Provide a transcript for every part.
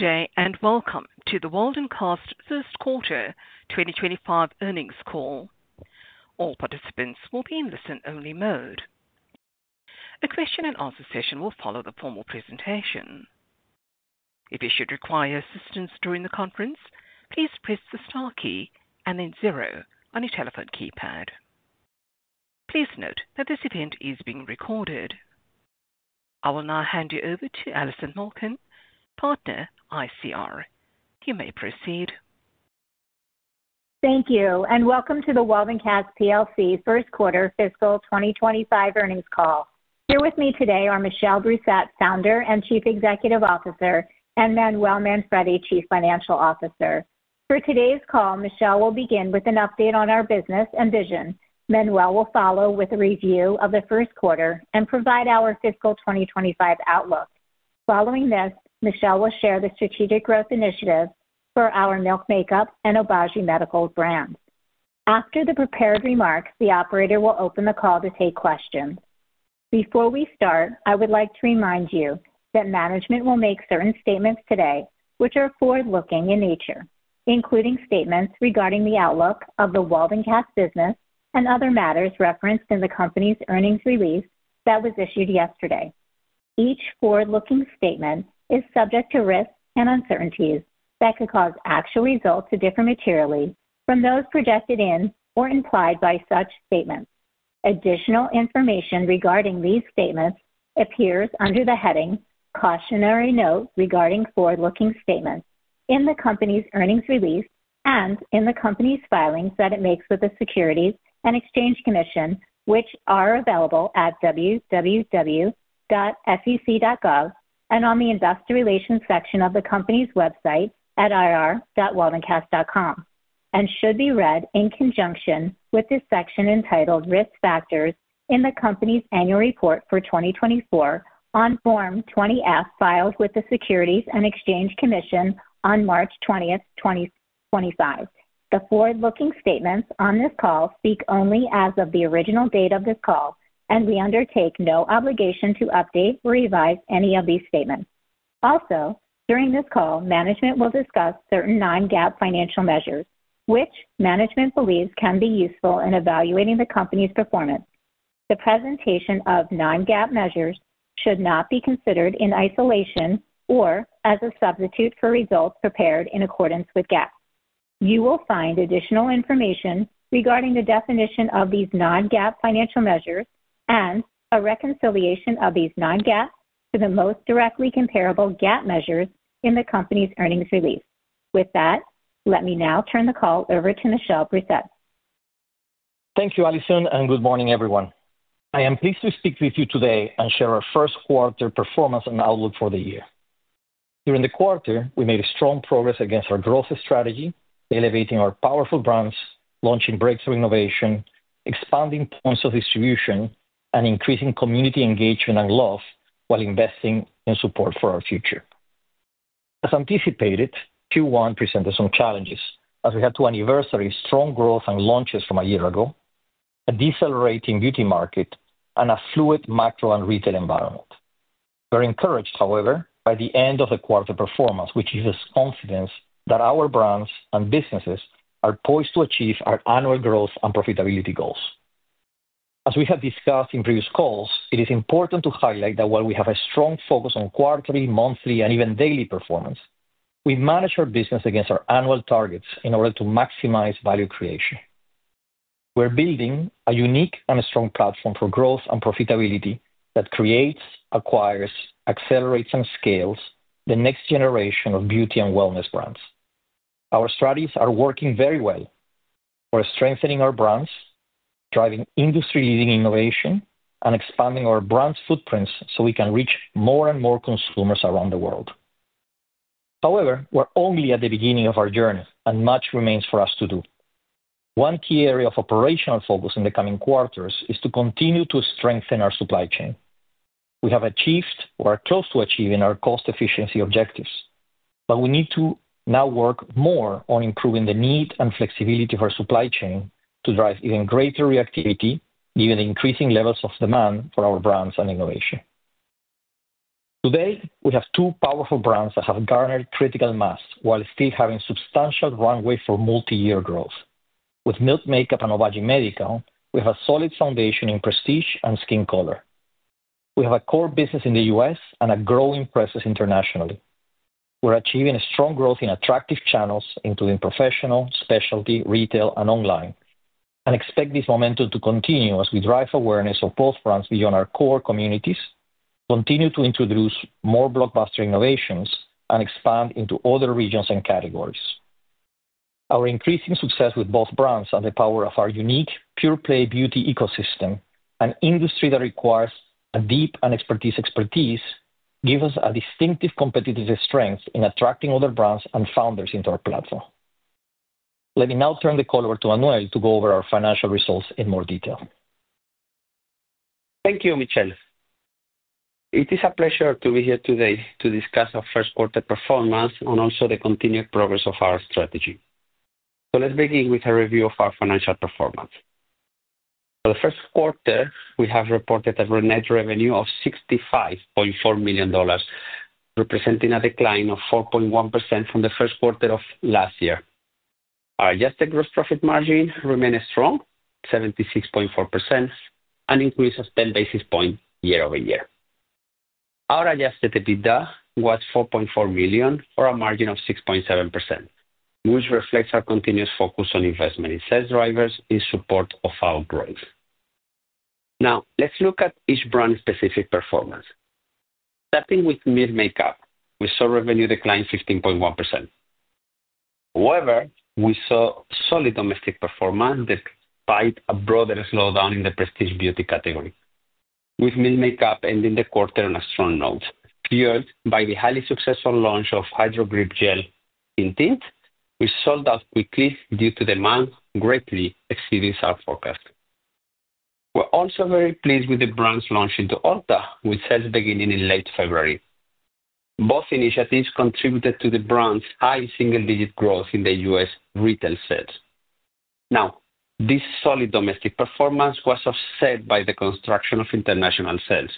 Today, and welcome to the Waldencast First Quarter 2025 Earnings Call. All participants will be in listen-only mode. A question-and-answer session will follow the formal presentation. If you should require assistance during the conference, please press the star key and then zero on your telephone keypad. Please note that this event is being recorded. I will now hand you over to Allison Malkin, Partner ICR. You may proceed. Thank you, and welcome to the Waldencast First Quarter Fiscal 2025 earnings call. Here with me today are Michel Brousset, Founder and Chief Executive Officer, and Manuel Manfredi, Chief Financial Officer. For today's call, Michel will begin with an update on our business and vision. Manuel will follow with a review of the first quarter and provide our fiscal 2025 outlook. Following this, Michel will share the strategic growth initiative for our Milk Makeup and Obagi Medical brand. After the prepared remarks, the operator will open the call to take questions. Before we start, I would like to remind you that management will make certain statements today which are forward-looking in nature, including statements regarding the outlook of the Waldencast business and other matters referenced in the company's earnings release that was issued yesterday. Each forward-looking statement is subject to risks and uncertainties that could cause actual results to differ materially from those projected in or implied by such statements. Additional information regarding these statements appears under the heading "Cautionary Note Regarding Forward-Looking Statements" in the company's earnings release and in the company's filings that it makes with the Securities and Exchange Commission, which are available at www.sec.gov and on the investor relations section of the company's website at ir.waldencast.com, and should be read in conjunction with the section entitled "Risk Factors" in the company's annual report for 2024 on Form 20-F filed with the Securities and Exchange Commission on March 20, 2025. The forward-looking statements on this call speak only as of the original date of this call, and we undertake no obligation to update or revise any of these statements. Also, during this call, management will discuss certain non-GAAP financial measures which management believes can be useful in evaluating the company's performance. The presentation of non-GAAP measures should not be considered in isolation or as a substitute for results prepared in accordance with GAAP. You will find additional information regarding the definition of these non-GAAP financial measures and a reconciliation of these non-GAAP to the most directly comparable GAAP measures in the company's earnings release. With that, let me now turn the call over to Michel Brousset. Thank you, Allison, and good morning, everyone. I am pleased to speak with you today and share our first quarter performance and outlook for the year. During the quarter, we made strong progress against our growth strategy, elevating our powerful brands, launching breakthrough innovation, expanding points of distribution, and increasing community engagement and love while investing in support for our future. As anticipated, Q1 presented some challenges as we had to anniversary strong growth and launches from a year ago, a decelerating beauty market, and a fluid macro and retail environment. We are encouraged, however, by the end of the quarter performance, which gives us confidence that our brands and businesses are poised to achieve our annual growth and profitability goals. As we have discussed in previous calls, it is important to highlight that while we have a strong focus on quarterly, monthly, and even daily performance, we manage our business against our annual targets in order to maximize value creation. We are building a unique and strong platform for growth and profitability that creates, acquires, accelerates, and scales the next generation of beauty and wellness brands. Our strategies are working very well for strengthening our brands, driving industry-leading innovation, and expanding our brand footprints so we can reach more and more consumers around the world. However, we're only at the beginning of our journey, and much remains for us to do. One key area of operational focus in the coming quarters is to continue to strengthen our supply chain. We have achieved or are close to achieving our cost-efficiency objectives, but we need to now work more on improving the need and flexibility of our supply chain to drive even greater reactivity given the increasing levels of demand for our brands and innovation. Today, we have two powerful brands that have garnered critical mass while still having substantial runway for multi-year growth. With Milk Makeup and Obagi Medical, we have a solid foundation in prestige and skin color. We have a core business in the U.S. and a growing presence internationally. We're achieving strong growth in attractive channels, including professional, specialty, retail, and online, and expect this momentum to continue as we drive awareness of both brands beyond our core communities, continue to introduce more blockbuster innovations, and expand into other regions and categories. Our increasing success with both brands and the power of our unique pure-play beauty ecosystem, an industry that requires deep and expertise, gives us a distinctive competitive strength in attracting other brands and founders into our platform. Let me now turn the call over to Manuel to go over our financial results in more detail. Thank you, Michel. It is a pleasure to be here today to discuss our first quarter performance and also the continued progress of our strategy. Let's begin with a review of our financial performance. For the first quarter, we have reported a net revenue of $65.4 million, representing a decline of 4.1% from the first quarter of last year. Our adjusted gross profit margin remains strong, 76.4%, and increased 10 basis points year over year. Our Adjusted EBITDA was $4.4 million for a margin of 6.7%, which reflects our continuous focus on investment in sales drivers in support of our growth. Now, let's look at each brand-specific performance. Starting with Milk Makeup, we saw revenue decline 15.1%. However, we saw solid domestic performance despite a broader slowdown in the prestige beauty category, with Milk Makeup ending the quarter on a strong note, fueled by the highly successful launch of Hydro Grip Gel Skin Tint, which sold out quickly due to demand greatly exceeding our forecast. We're also very pleased with the brand's launch into Ulta Beauty, with sales beginning in late February. Both initiatives contributed to the brand's high single-digit growth in U.S. retail sales. Now, this solid domestic performance was offset by the contraction of international sales,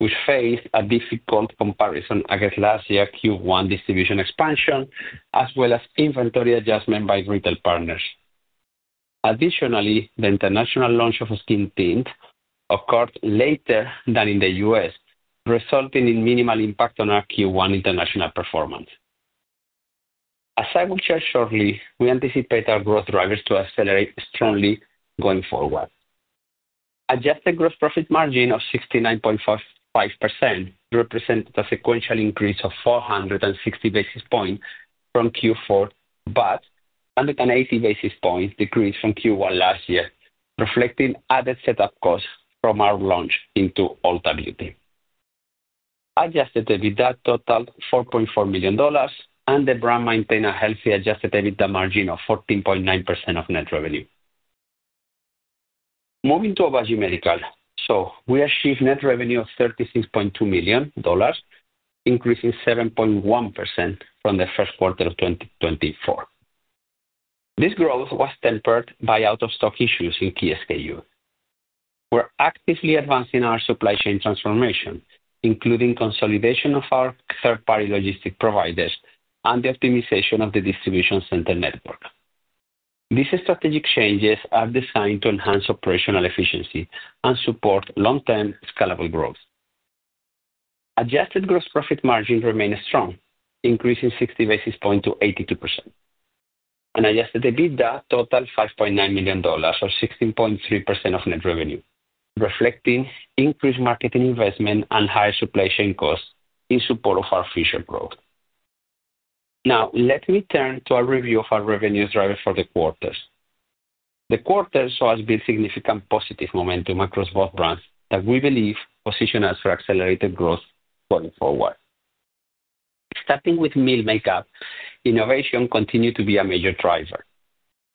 which faced a difficult comparison against last year's Q1 distribution expansion, as well as inventory adjustment by retail partners. Additionally, the international launch of Skin Tint occurred later than in the U.S., resulting in minimal impact on our Q1 international performance. As I will share shortly, we anticipate our growth drivers to accelerate strongly going forward. Adjusted gross profit margin of 69.5% represented a sequential increase of 460 basis points from Q4, but 180 basis points decreased from Q1 last year, reflecting added setup costs from our launch into Ulta Beauty. Adjusted EBITDA totaled $4.4 million, and the brand maintained a healthy adjusted EBITDA margin of 14.9% of net revenue. Moving to Obagi Medical, so we achieved net revenue of $36.2 million, increasing 7.1% from the first quarter of 2024. This growth was tempered by out-of-stock issues in key SKUs. We're actively advancing our supply chain transformation, including consolidation of our third-party logistics providers and the optimization of the distribution center network. These strategic changes are designed to enhance operational efficiency and support long-term scalable growth. Adjusted gross profit margin remains strong, increasing 60 basis points to 82%. Adjusted EBITDA totaled $5.9 million, or 16.3% of net revenue, reflecting increased marketing investment and higher supply chain costs in support of our future growth. Now, let me turn to a review of our revenue drivers for the quarter. The quarter saw us build significant positive momentum across both brands that we believe position us for accelerated growth going forward. Starting with Milk Makeup, innovation continued to be a major driver.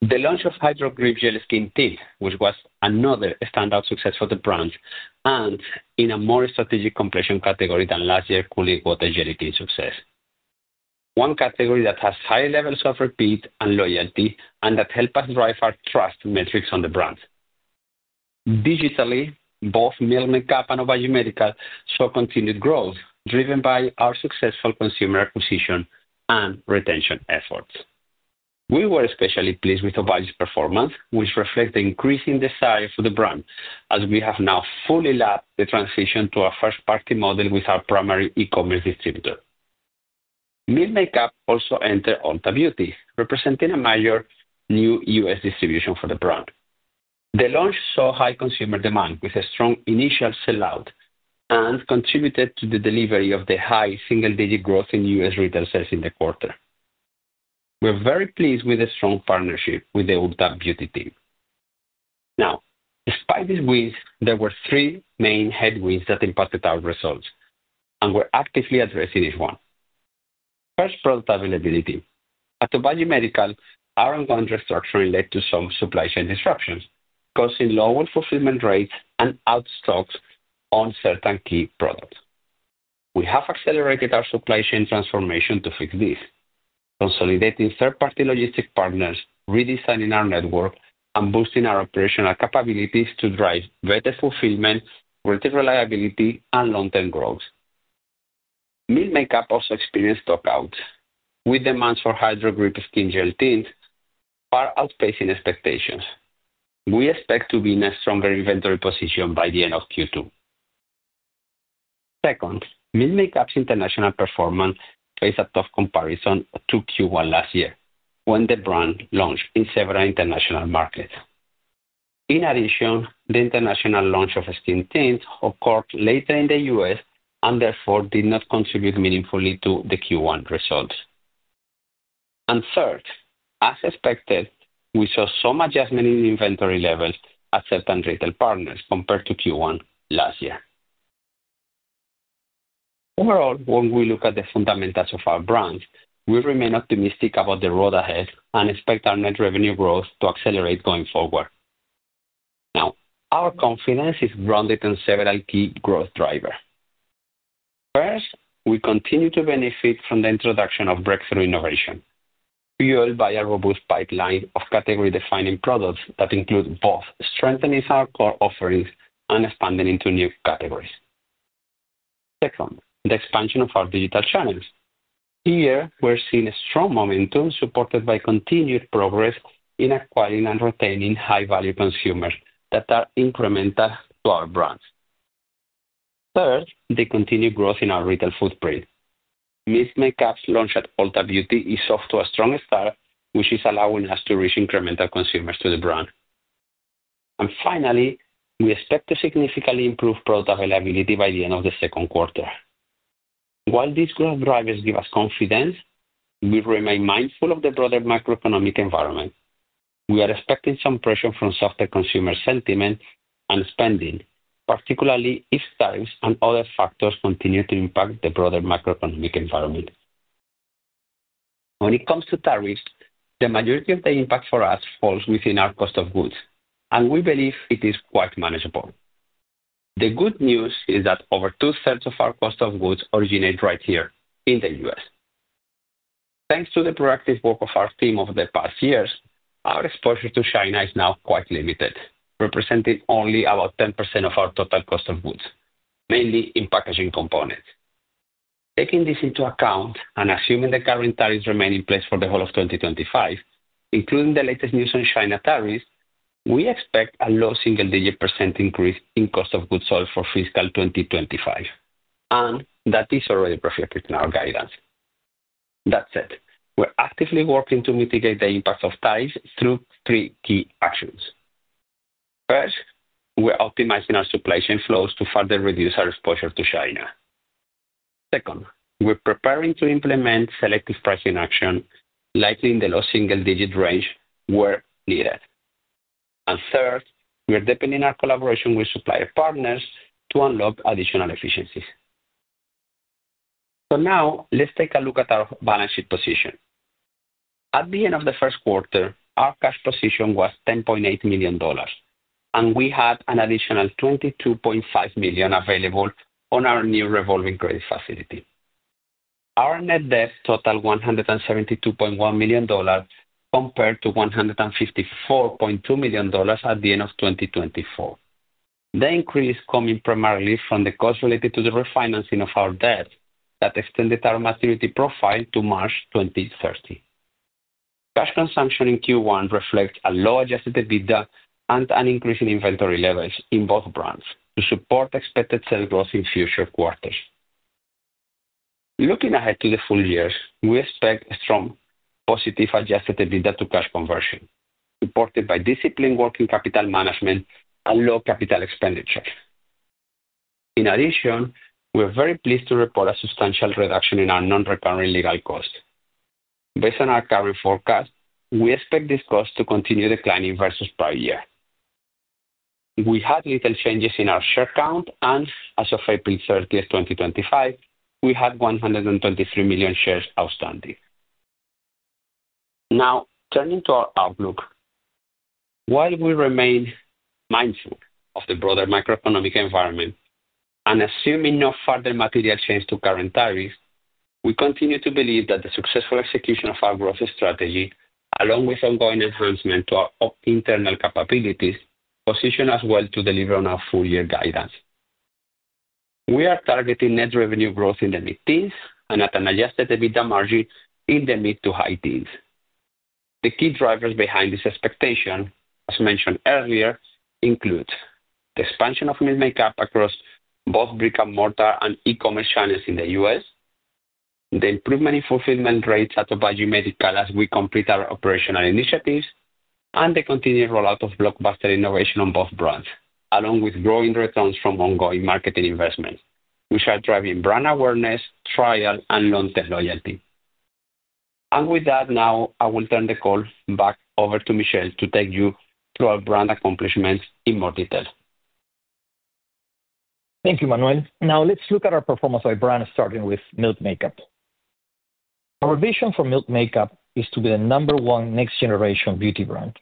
The launch of Hydro Grip Gel Skin Tint, which was another standout success for the brand, and in a more strategic complexion category than last year, could equate to a Jelly Tint success. One category that has high levels of repeat and loyalty and that helped us drive our trust metrics on the brand. Digitally, both Milk Makeup and Obagi Medical saw continued growth driven by our successful consumer acquisition and retention efforts. We were especially pleased with Obagi's performance, which reflects the increasing desire for the brand, as we have now fully lapped the transition to our first-party model with our primary e-commerce distributor. Milk Makeup also entered Ulta Beauty, representing a major new US distribution for the brand. The launch saw high consumer demand with a strong initial sellout and contributed to the delivery of the high single-digit growth in US retail sales in the quarter. We're very pleased with the strong partnership with the Ulta Beauty team. Now, despite these wins, there were three main headwinds that impacted our results, and we're actively addressing each one. First, product availability. At Obagi Medical, our ongoing restructuring led to some supply chain disruptions, causing lower fulfillment rates and outstocks on certain key products. We have accelerated our supply chain transformation to fix this, consolidating third-party logistics partners, redesigning our network, and boosting our operational capabilities to drive better fulfillment, relative reliability, and long-term growth. Milk Makeup also experienced stockouts with demand for Hydro Grip Gel Skin Tint far outpacing expectations. We expect to be in a stronger inventory position by the end of Q2. Second, Milk Makeup's international performance faced a tough comparison to Q1 last year when the brand launched in several international markets. In addition, the international launch of skin tints occurred later in the US and therefore did not contribute meaningfully to the Q1 results. Third, as expected, we saw some adjustment in inventory levels at certain retail partners compared to Q1 last year. Overall, when we look at the fundamentals of our brand, we remain optimistic about the road ahead and expect our net revenue growth to accelerate going forward. Now, our confidence is grounded in several key growth drivers. First, we continue to benefit from the introduction of breakthrough innovation, fueled by a robust pipeline of category-defining products that include both strengthening our core offerings and expanding into new categories. Second, the expansion of our digital channels. Here, we're seeing a strong momentum supported by continued progress in acquiring and retaining high-value consumers that are incremental to our brands. Third, the continued growth in our retail footprint. Milk Makeup's launch at Ulta Beauty is off to a strong start, which is allowing us to reach incremental consumers to the brand. Finally, we expect to significantly improve product availability by the end of the second quarter. While these growth drivers give us confidence, we remain mindful of the broader macroeconomic environment. We are expecting some pressure from softer consumer sentiment and spending, particularly if tariffs and other factors continue to impact the broader macroeconomic environment. When it comes to tariffs, the majority of the impact for us falls within our cost of goods, and we believe it is quite manageable. The good news is that over two-thirds of our cost of goods originate right here in the US. Thanks to the proactive work of our team over the past years, our exposure to China is now quite limited, representing only about 10% of our total cost of goods, mainly in packaging components. Taking this into account and assuming the current tariffs remain in place for the whole of 2025, including the latest news on China tariffs, we expect a low single-digit % increase in cost of goods sold for fiscal 2025, and that is already reflected in our guidance. That said, we're actively working to mitigate the impacts of tariffs through three key actions. First, we're optimizing our supply chain flows to further reduce our exposure to China. Second, we're preparing to implement selective pricing action, likely in the low single-digit % range where needed. Third, we're deepening our collaboration with supplier partners to unlock additional efficiencies. Now, let's take a look at our balance sheet position. At the end of the first quarter, our cash position was $10.8 million, and we had an additional $22.5 million available on our new revolving credit facility. Our net debt totaled $172.1 million compared to $154.2 million at the end of 2024. The increase coming primarily from the cost related to the refinancing of our debt that extended our maturity profile to March 2030. Cash consumption in Q1 reflects a low adjusted EBITDA and an increase in inventory levels in both brands to support expected sales growth in future quarters. Looking ahead to the full years, we expect a strong positive adjusted EBITDA to cash conversion, supported by disciplined working capital management and low capital expenditure. In addition, we're very pleased to report a substantial reduction in our non-recurring legal costs. Based on our current forecast, we expect these costs to continue declining versus prior year. We had little changes in our share count, and as of April 30th, 2025, we had 123 million shares outstanding. Now, turning to our outlook, while we remain mindful of the broader macroeconomic environment and assuming no further material change to current tariffs, we continue to believe that the successful execution of our growth strategy, along with ongoing enhancement to our internal capabilities, positions us well to deliver on our full-year guidance. We are targeting net revenue growth in the mid-teens and at an Adjusted EBITDA margin in the mid to high-teens. The key drivers behind this expectation, as mentioned earlier, include the expansion of Milk Makeup across both brick-and-mortar and e-commerce channels in the U.S., the improvement in fulfillment rates at Obagi Medical as we complete our operational initiatives, and the continued rollout of blockbuster innovation on both brands, along with growing returns from ongoing marketing investments, which are driving brand awareness, trial, and long-term loyalty. With that, now, I will turn the call back over to Michel to take you through our brand accomplishments in more detail. Thank you, Manuel. Now, let's look at our performance by brand, starting with Milk Makeup. Our vision for Milk Makeup is to be the number one next-generation beauty brand.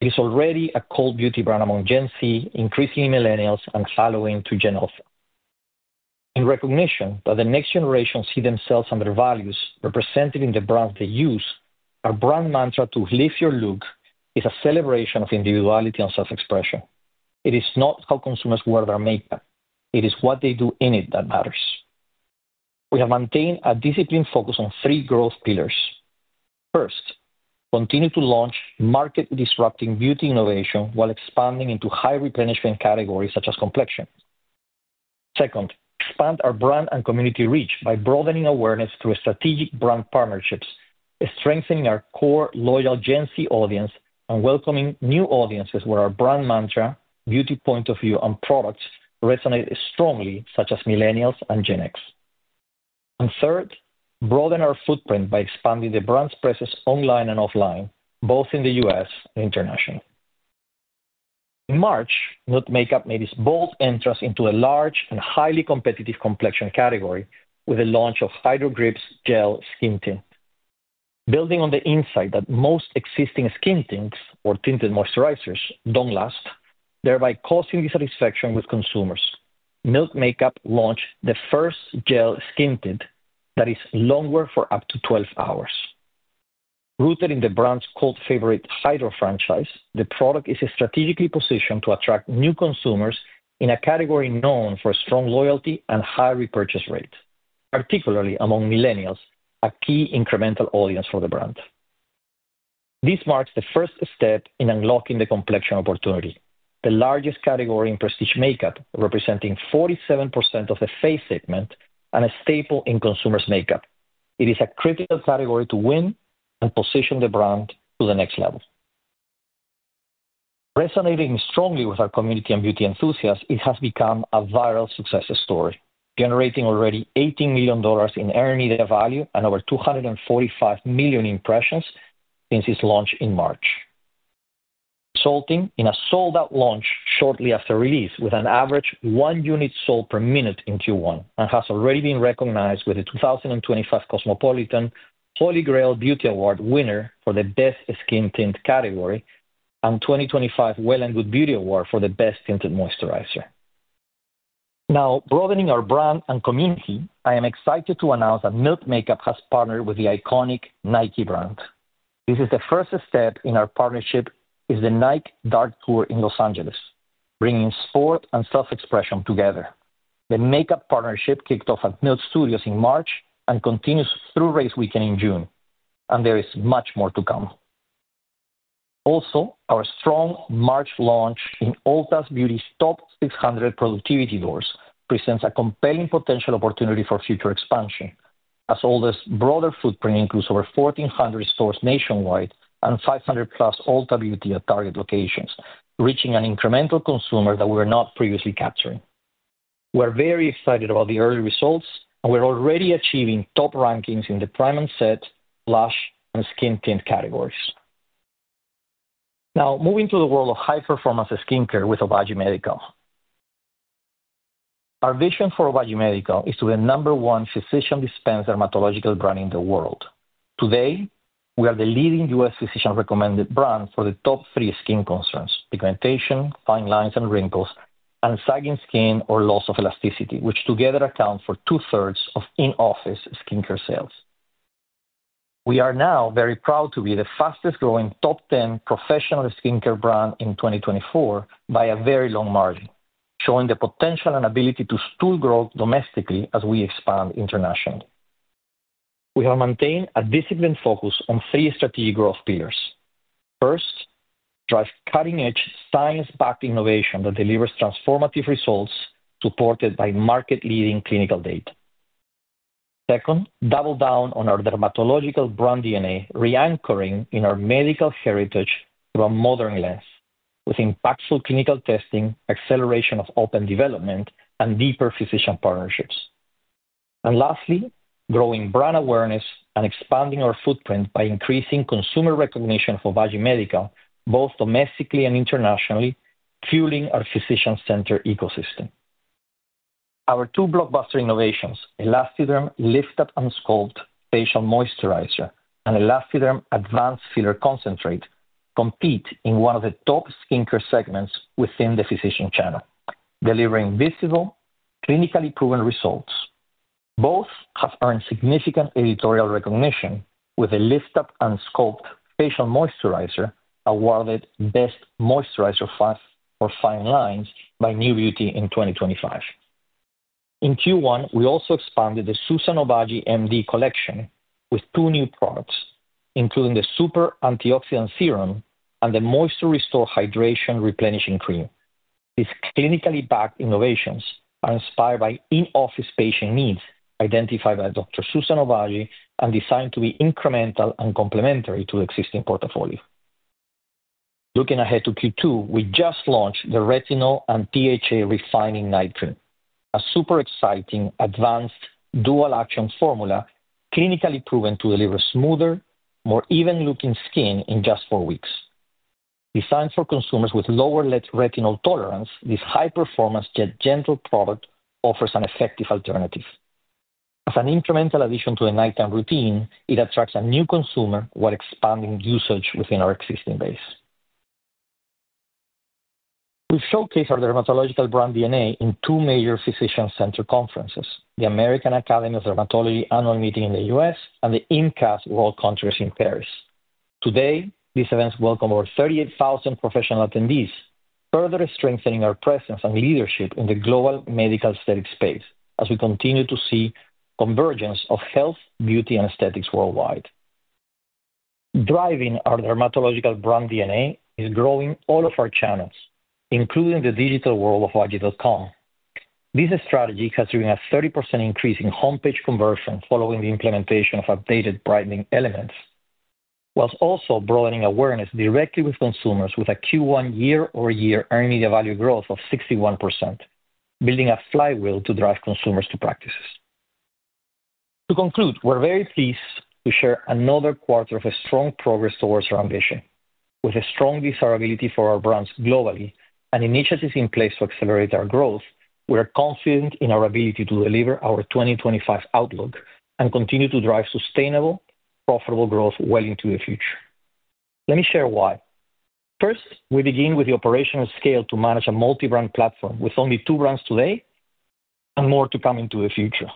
It is already a cult beauty brand among Gen Z, increasingly millennials, and following to Gen Alpha. In recognition that the next generation see themselves and their values represented in the brands they use, our brand mantra to live your look is a celebration of individuality and self-expression. It is not how consumers wear their makeup. It is what they do in it that matters. We have maintained a disciplined focus on three growth pillars. First, continue to launch market-disrupting beauty innovation while expanding into high-replenishment categories such as complexion. Second, expand our brand and community reach by broadening awareness through strategic brand partnerships, strengthening our core loyal Gen Z audience, and welcoming new audiences where our brand mantra, beauty point of view, and products resonate strongly, such as millennials and Gen X. Third, broaden our footprint by expanding the brand's presence online and offline, both in the US and internationally. In March, Milk Makeup made its bold entrance into a large and highly competitive complexion category with the launch of Hydro Grip Gel Skin Tint, building on the insight that most existing skin tints or tinted moisturizers do not last, thereby causing dissatisfaction with consumers. Milk Makeup launched the first gel skin tint that is long-wear for up to 12 hours. Rooted in the brand's cult favorite Hydro franchise, the product is strategically positioned to attract new consumers in a category known for strong loyalty and high repurchase rates, particularly among millennials, a key incremental audience for the brand. This marks the first step in unlocking the complexion opportunity, the largest category in prestige makeup, representing 47% of the face segment and a staple in consumers' makeup. It is a critical category to win and position the brand to the next level. Resonating strongly with our community and beauty enthusiasts, it has become a viral success story, generating already $18 million in earned media value and over 245 million impressions since its launch in March, resulting in a sold-out launch shortly after release with an average one unit sold per minute in Q1 and has already been recognized with the 2025 Cosmopolitan Holy Grail Beauty Award winner for the best skin tint category and 2025 Well+Good Beauty Award for the best tinted moisturizer. Now, broadening our brand and community, I am excited to announce that Milk Makeup has partnered with the iconic Nike brand. This is the first step in our partnership with the Nike Dark Tour in Los Angeles, bringing sport and self-expression together. The makeup partnership kicked off at Milk Studios in March and continues through Race Weekend in June, and there is much more to come. Also, our strong March launch in Ulta Beauty's top 600 productivity doors presents a compelling potential opportunity for future expansion, as Ulta's broader footprint includes over 1,400 stores nationwide and 500-plus Ulta Beauty at Target locations, reaching an incremental consumer that we were not previously capturing. We're very excited about the early results, and we're already achieving top rankings in the Prime and Set, Blush and Skin Tint categories. Now, moving to the world of high-performance skincare with Obagi Medical. Our vision for Obagi Medical is to be the number one physician-dispensed dermatological brand in the world. Today, we are the leading US physician-recommended brand for the top three skin concerns: pigmentation, fine lines and wrinkles, and sagging skin or loss of elasticity, which together account for two-thirds of in-office skincare sales. We are now very proud to be the fastest-growing top 10 professional skincare brand in 2024 by a very long margin, showing the potential and ability to stall growth domestically as we expand internationally. We have maintained a disciplined focus on three strategic growth pillars. First, drive cutting-edge science-backed innovation that delivers transformative results supported by market-leading clinical data. Second, double down on our dermatological brand DNA, reanchoring in our medical heritage through a modern lens with impactful clinical testing, acceleration of open development, and deeper physician partnerships. Lastly, growing brand awareness and expanding our footprint by increasing consumer recognition for Obagi Medical, both domestically and internationally, fueling our physician-centered ecosystem. Our two blockbuster innovations, ELASTIderm Lift Up & Sculpt Facial Moisturizer and ELASTIderm Advanced Filler Concentrate, compete in one of the top skincare segments within the physician channel, delivering visible, clinically proven results. Both have earned significant editorial recognition, with the Lift Up & Sculpt Facial Moisturizer awarded Best Moisturizer for Fine Lines by New Beauty in 2025. In Q1, we also expanded the Suzan Obagi MD Collection with two new products, including the Super Antioxidant Serum and the Moisture Restore Hydration Replenishing Cream. These clinically backed innovations are inspired by in-office patient needs identified by Dr. Suzan Obagi and designed to be incremental and complementary to the existing portfolio. Looking ahead to Q2, we just launched the Retinol and THA Refining Night Cream, a super exciting advanced dual-action formula clinically proven to deliver smoother, more even-looking skin in just four weeks. Designed for consumers with lower-level retinol tolerance, this high-performance yet gentle product offers an effective alternative. As an incremental addition to the nighttime routine, it attracts a new consumer while expanding usage within our existing base. We've showcased our dermatological brand DNA in two major physician-centered conferences: the American Academy of Dermatology annual meeting in the U.S. and the IMCAS World Conference in Paris. Today, these events welcome over 38,000 professional attendees, further strengthening our presence and leadership in the global medical aesthetic space as we continue to see convergence of health, beauty, and aesthetics worldwide. Driving our dermatological brand DNA is growing all of our channels, including the digital world of Obagi.com. This strategy has driven a 30% increase in homepage conversion following the implementation of updated brightening elements, whilst also broadening awareness directly with consumers with a Q1 year-over-year earned media value growth of 61%, building a flywheel to drive consumers to practices. To conclude, we're very pleased to share another quarter of strong progress towards our ambition. With a strong desirability for our brands globally and initiatives in place to accelerate our growth, we are confident in our ability to deliver our 2025 outlook and continue to drive sustainable, profitable growth well into the future. Let me share why. First, we begin with the operational scale to manage a multi-brand platform with only two brands today and more to come into the future.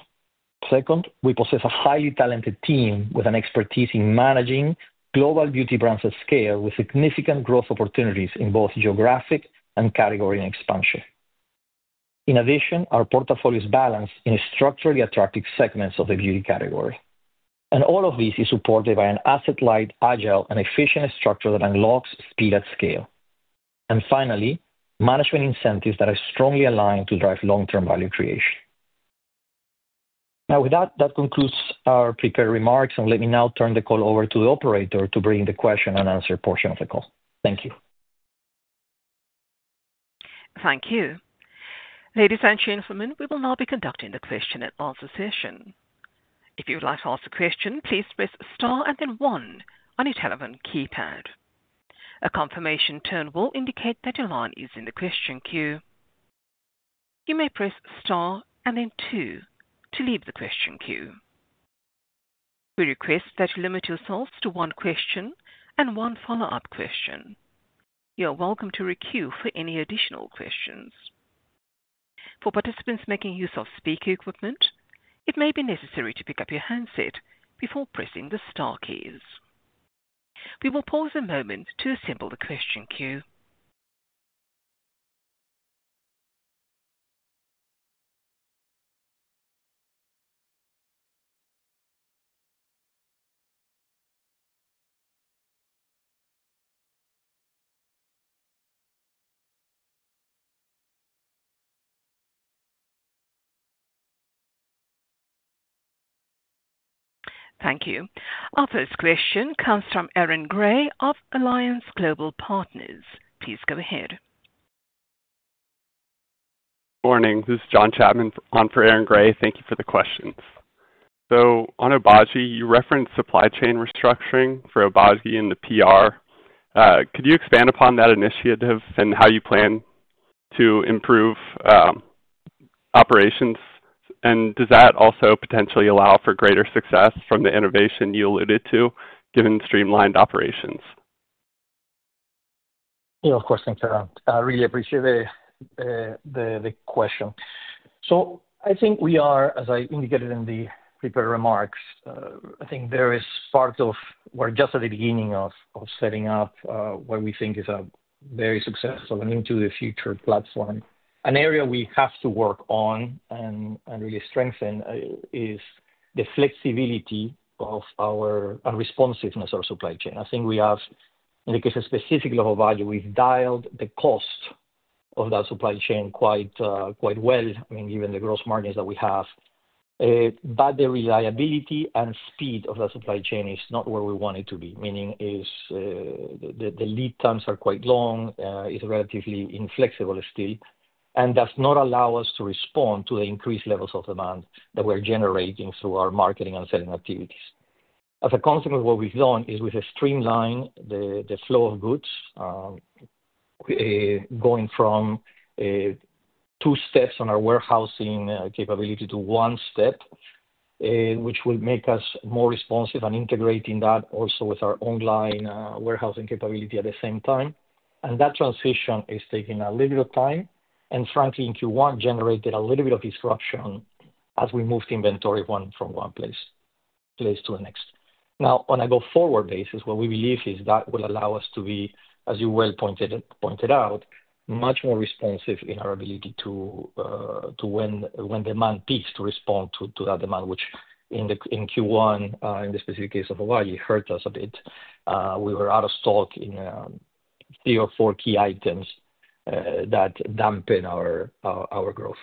Second, we possess a highly talented team with an expertise in managing global beauty brands at scale with significant growth opportunities in both geographic and category expansion. In addition, our portfolio is balanced in structurally attractive segments of the beauty category. All of this is supported by an asset-light, agile, and efficient structure that unlocks speed at scale. Finally, management incentives that are strongly aligned to drive long-term value creation. Now, with that, that concludes our prepared remarks, and let me now turn the call over to the operator to bring the question-and-answer portion of the call. Thank you. Thank you. Ladies and gentlemen, we will now be conducting the question-and-answer session. If you would like to ask a question, please press star and then one on your telephone keypad. A confirmation tone will indicate that your line is in the question queue. You may press star and then two to leave the question queue. We request that you limit yourselves to one question and one follow-up question. You're welcome to re-queue for any additional questions. For participants making use of speaker equipment, it may be necessary to pick up your handset before pressing the star keys. We will pause a moment to assemble the question queue. Thank you. Our first question comes from Aaron Grey of Alliance Global Partners. Please go ahead. Good morning. This is John Chapman on for Aaron Grey. Thank you for the questions. On Obagi, you referenced supply chain restructuring for Obagi in the PR. Could you expand upon that initiative and how you plan to improve operations? Does that also potentially allow for greater success from the innovation you alluded to, given streamlined operations? Yeah, of course, thank you. I really appreciate the question. I think we are, as I indicated in the prepared remarks, I think there is part of we're just at the beginning of setting up what we think is a very successful and into-the-future platform. An area we have to work on and really strengthen is the flexibility of our responsiveness, our supply chain. I think we have, in the case of specifically Obagi, we've dialed the cost of that supply chain quite well, I mean, given the gross margins that we have. The reliability and speed of that supply chain is not where we want it to be, meaning the lead times are quite long, is relatively inflexible still, and does not allow us to respond to the increased levels of demand that we're generating through our marketing and selling activities. As a consequence, what we've done is we've streamlined the flow of goods going from two steps on our warehousing capability to one step, which will make us more responsive and integrating that also with our online warehousing capability at the same time. That transition is taking a little bit of time. Frankly, in Q1, it generated a little bit of disruption as we moved inventory from one place to the next. Now, on a go-forward basis, what we believe is that will allow us to be, as you well pointed out, much more responsive in our ability to, when demand peaks, to respond to that demand, which in Q1, in the specific case of Obagi, hurt us a bit. We were out of stock in three or four key items that dampened our growth.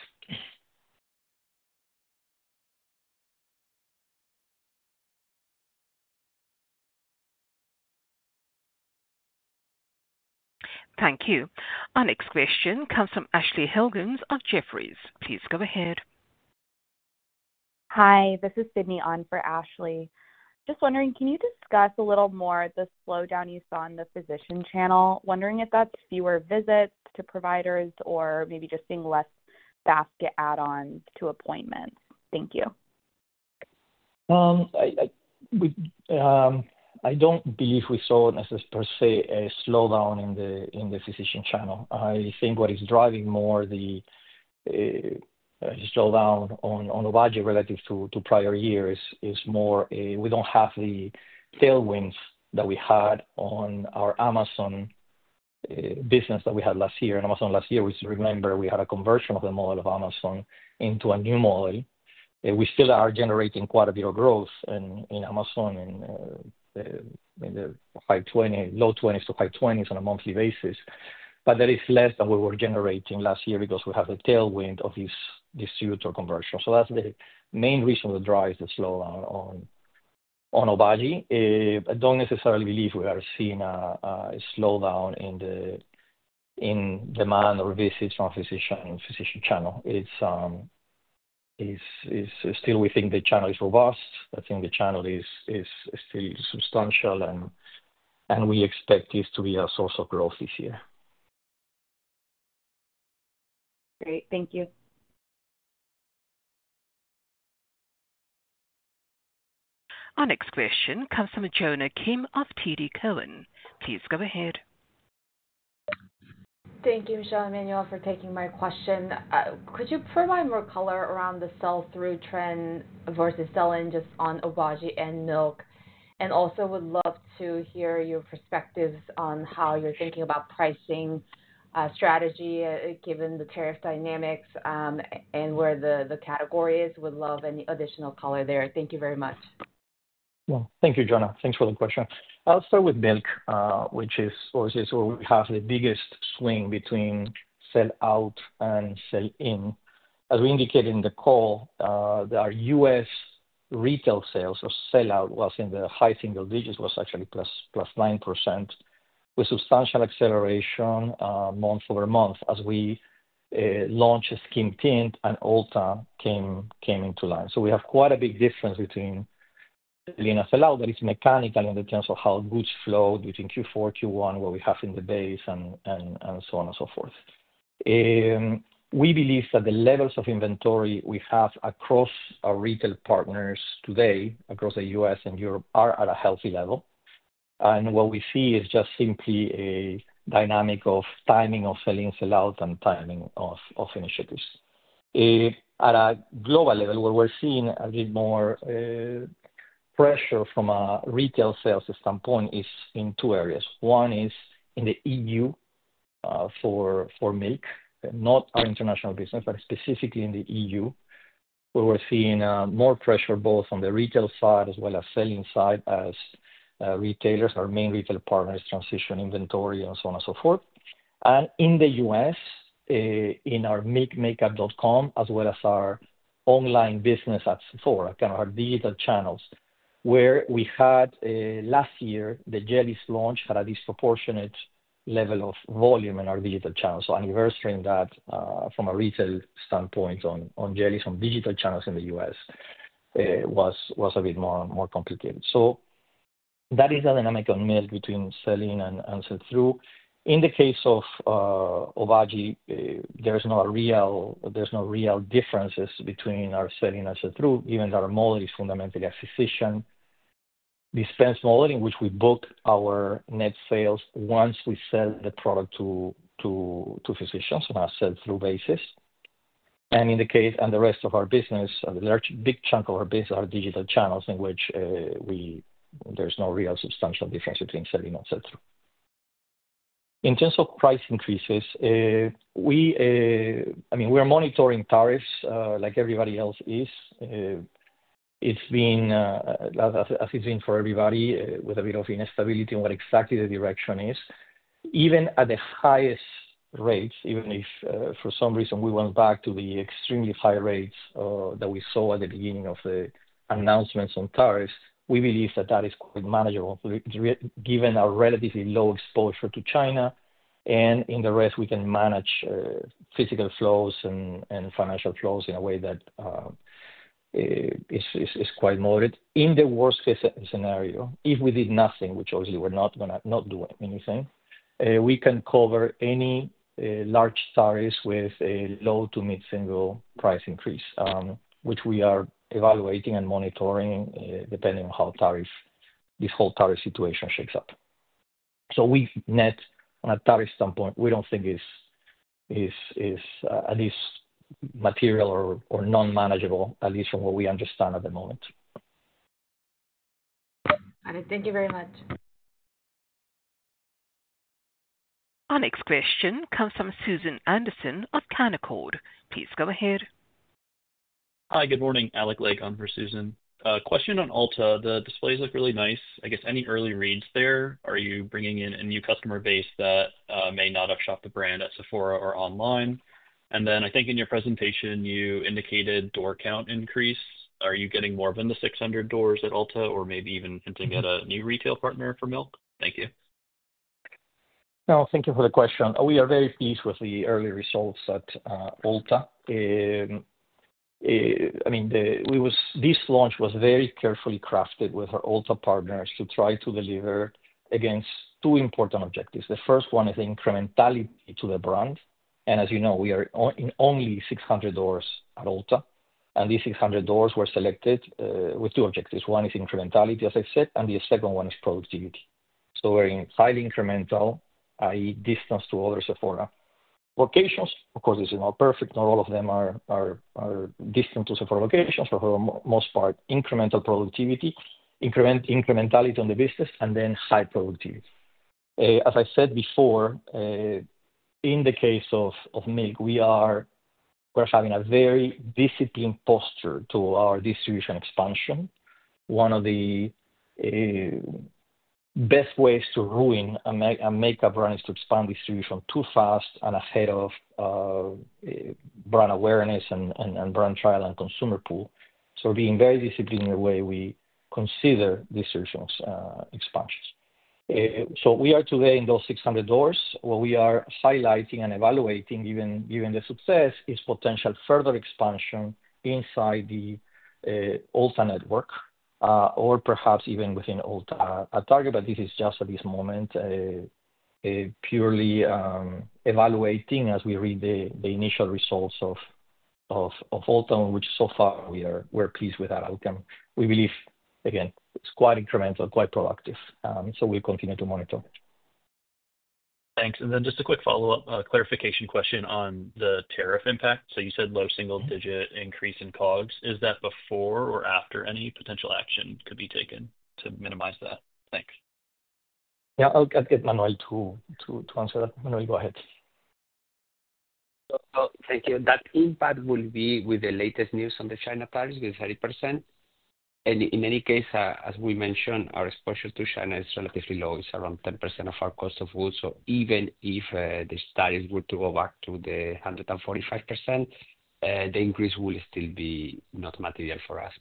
Thank you. Our next question comes from Ashley Helgans of Jefferies. Please go ahead. Hi, this is Sydney Wonn for Ashley. Just wondering, can you discuss a little more the slowdown you saw in the physician channel? Wondering if that's fewer visits to providers or maybe just seeing less basket add-ons to appointments. Thank you. I do not believe we saw, per se, a slowdown in the physician channel. I think what is driving more the slowdown on Obagi relative to prior years is more we do not have the tailwinds that we had on our Amazon business that we had last year. Amazon last year, we remember we had a conversion of the model of Amazon into a new model. We still are generating quite a bit of growth in Amazon in the low 20%-high 20% on a monthly basis, but that is less than we were generating last year because we have the tailwind of this distributor conversion. That is the main reason that drives the slowdown on Obagi. I do not necessarily believe we are seeing a slowdown in demand or visits from physician channel. Still, we think the channel is robust. I think the channel is still substantial, and we expect this to be a source of growth this year. Great. Thank you. Our next question comes from Jonna Kim of TD Cowen. Please go ahead. Thank you, Michelle and Manuel, for taking my question. Could you provide more color around the sell-through trend versus sell-in just on Obagi and Milk? And also, would love to hear your perspectives on how you're thinking about pricing strategy given the tariff dynamics and where the category is. Would love any additional color there. Thank you very much. Thank you, Jonah. Thanks for the question. I'll start with Milk, which is where we have the biggest swing between sell-out and sell-in. As we indicated in the call, our U.S. retail sales or sell-out was in the high single digits, was actually plus 9% with substantial acceleration month over month as we launched Skin Tint and Ulta came into line. We have quite a big difference between sell-out that is mechanical in the terms of how goods flow between Q4, Q1, what we have in the base, and so on and so forth. We believe that the levels of inventory we have across our retail partners today across the U.S. and Europe are at a healthy level. What we see is just simply a dynamic of timing of sell-in, sell-out, and timing of initiatives. At a global level, what we are seeing a bit more pressure from a retail sales standpoint is in two areas. One is in the EU for Milk, not our international business, but specifically in the EU, where we're seeing more pressure both on the retail side as well as selling side as retailers, our main retail partners, transition inventory, and so on and so forth. In the U.S., in our milkmakeup.com as well as our online business at Sephora, kind of our digital channels, where we had last year the Jellys launch had a disproportionate level of volume in our digital channels. Anniversarying that from a retail standpoint on Jellys on digital channels in the US was a bit more complicated. That is the dynamic on Milk between sell-in and sell-through. In the case of Obagi, there's no real differences between our sell-in and sell-through, given that our model is fundamentally a physician dispense model, in which we book our net sales once we sell the product to physicians on a sell-through basis. In the case and the rest of our business, a big chunk of our business are digital channels in which there's no real substantial difference between sell-in and sell-through. In terms of price increases, I mean, we're monitoring tariffs like everybody else is. It's been as it's been for everybody with a bit of instability on what exactly the direction is. Even at the highest rates, even if for some reason we went back to the extremely high rates that we saw at the beginning of the announcements on tariffs, we believe that that is quite manageable given our relatively low exposure to China. In the rest, we can manage physical flows and financial flows in a way that is quite moderate. In the worst-case scenario, if we did nothing, which obviously we are not doing, we can cover any large tariffs with a low to mid-single price increase, which we are evaluating and monitoring depending on how this whole tariff situation shakes up. Net on a tariff standpoint, we do not think it is at least material or non-manageable, at least from what we understand at the moment. Got it. Thank you very much. Our next question comes from Susan Anderson of Canaccord. Please go ahead. Hi, good morning. Alec Legg on for Susan. Question on Ulta, the displays look really nice. I guess any early reads there? Are you bringing in a new customer base that may not have shopped the brand at Sephora or online? I think in your presentation, you indicated door count increase. Are you getting more than the 600 doors at Ulta or maybe even hinting at a new retail partner for Milk? Thank you. No, thank you for the question. We are very pleased with the early results at Ulta. I mean, this launch was very carefully crafted with our Ulta partners to try to deliver against two important objectives. The first one is incrementality to the brand. As you know, we are in only 600 doors at Ulta. These 600 doors were selected with two objectives. One is incrementality, as I said, and the second one is productivity. We are in highly incremental, i.e., distance to other Sephora locations. Of course, this is not perfect. Not all of them are distant to Sephora locations. For the most part, incremental productivity, incrementality on the business, and then high productivity. As I said before, in the case of Milk, we are having a very disciplined posture to our distribution expansion. One of the best ways to ruin a makeup brand is to expand distribution too fast and ahead of brand awareness and brand trial and consumer pull. Being very disciplined in a way, we consider distribution expansions. We are today in those 600 doors. What we are highlighting and evaluating, given the success, is potential further expansion inside the Ulta network or perhaps even within Ulta at Target, but this is just at this moment purely evaluating as we read the initial results of Ulta, which so far we're pleased with that outcome. We believe, again, it's quite incremental, quite productive. We'll continue to monitor. Thanks. And then just a quick follow-up clarification question on the tariff impact. You said low single-digit increase in COGS. Is that before or after any potential action could be taken to minimize that? Thanks. Yeah, I'll get Manuel to answer that. Manuel, go ahead. Thank you. That impact will be with the latest news on the China tariffs, with 30%. In any case, as we mentioned, our exposure to China is relatively low. It's around 10% of our cost of goods. Even if the studies were to go back to the 145%, the increase will still be not material for us.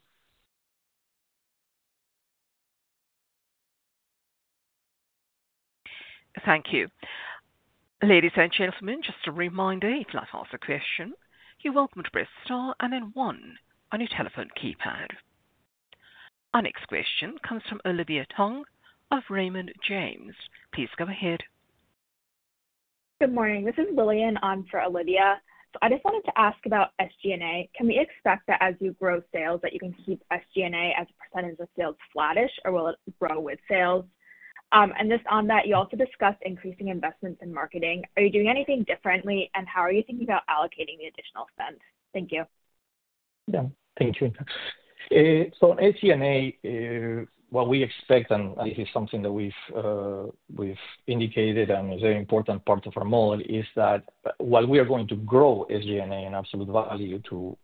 Thank you. Ladies and gentlemen, just a reminder, if you'd like to ask a question, you're welcome to press star and then one on your telephone keypad. Our next question comes from Olivia Tong of Raymond James. Please go ahead. Good morning. This is Lillian on for Olivia. I just wanted to ask about SG&A. Can we expect that as you grow sales, that you can keep SG&A as a percentage of sales flattish, or will it grow with sales? Just on that, you also discussed increasing investments in marketing. Are you doing anything differently, and how are you thinking about allocating the additional spend? Thank you. Yeah. Thank you. On SG&A, what we expect, and this is something that we've indicated and is an important part of our model, is that while we are going to grow SG&A in absolute value to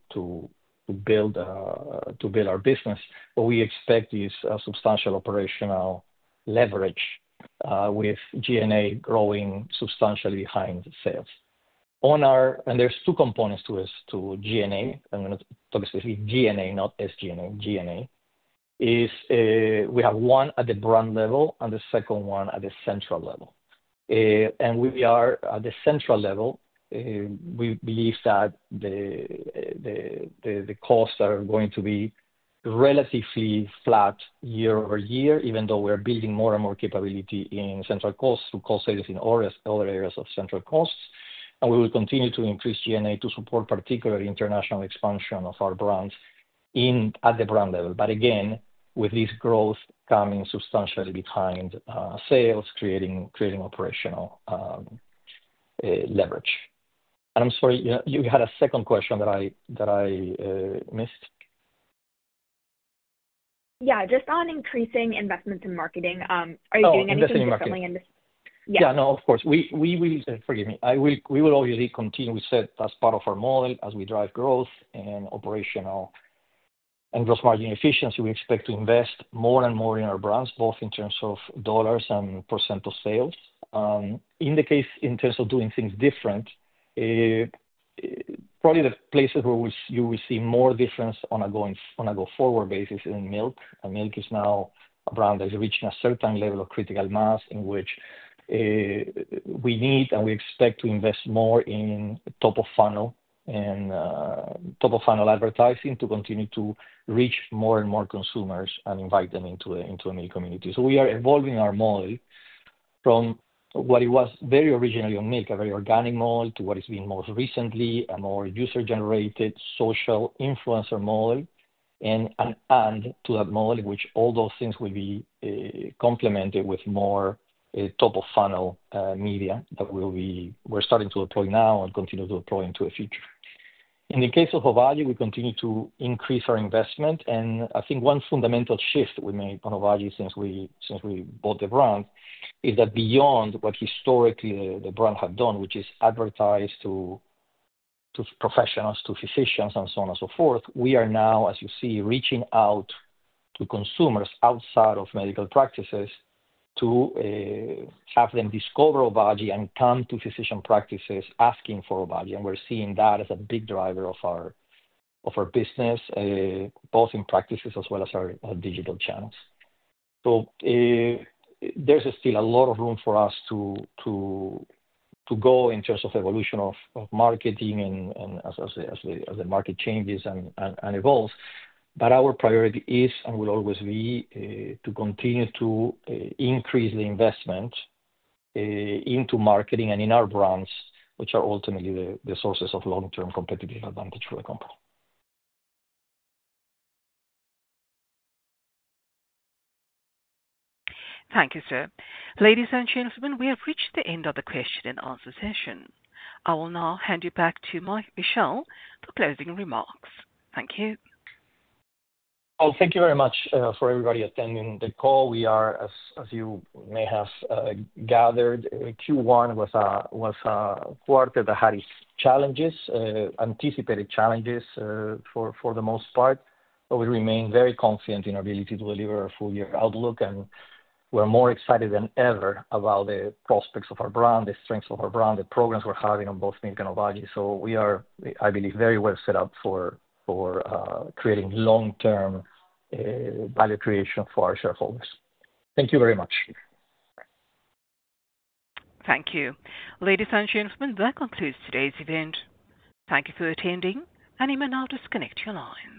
build our business, what we expect is substantial operational leverage with G&A growing substantially behind sales. There are two components to G&A. I'm going to focus specifically on G&A, not SG&A. G&A is we have one at the brand level and the second one at the central level. We are at the central level. We believe that the costs are going to be relatively flat year over year, even though we are building more and more capability in central costs to cost savings in other areas of central costs. We will continue to increase G&A to support particular international expansion of our brands at the brand level. Again, with this growth coming substantially behind sales, creating operational leverage. I'm sorry, you had a second question that I missed. Yeah. Just on increasing investments in marketing, are you doing anything differently in this? Yeah. No, of course. Forgive me. We will obviously continue, as part of our model, as we drive growth and operational and gross margin efficiency, we expect to invest more and more in our brands, both in terms of dollars and % of sales. In the case in terms of doing things different, probably the places where you will see more difference on a go-forward basis is in Milk. Milk is now a brand that is reaching a certain level of critical mass in which we need and we expect to invest more in top-of-funnel advertising to continue to reach more and more consumers and invite them into a Milk community. We are evolving our model from what it was very originally on Milk, a very organic model, to what it's been most recently, a more user-generated social influencer model, and to a model in which all those things will be complemented with more top-of-funnel media that we're starting to deploy now and continue to deploy into the future. In the case of Obagi, we continue to increase our investment. I think one fundamental shift we made on Obagi since we bought the brand is that beyond what historically the brand had done, which is advertise to professionals, to physicians, and so on and so forth, we are now, as you see, reaching out to consumers outside of medical practices to have them discover Obagi and come to physician practices asking for Obagi. We are seeing that as a big driver of our business, both in practices as well as our digital channels. There is still a lot of room for us to go in terms of evolution of marketing and as the market changes and evolves. Our priority is and will always be to continue to increase the investment into marketing and in our brands, which are ultimately the sources of long-term competitive advantage for the company. Thank you, sir. Ladies and gentlemen, we have reached the end of the question and answer session. I will now hand you back to Michel for closing remarks. Thank you. Thank you very much for everybody attending the call. We are, as you may have gathered, Q1 was a quarter that had its challenges, anticipated challenges for the most part. We remain very confident in our ability to deliver a full-year outlook. We are more excited than ever about the prospects of our brand, the strengths of our brand, the programs we are having on both Milk and Obagi. We are, I believe, very well set up for creating long-term value creation for our shareholders. Thank you very much. Thank you. Ladies and gentlemen, that concludes today's event. Thank you for attending, and I will just connect your line.